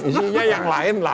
isinya yang lain lah